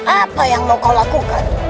apa yang mau kau lakukan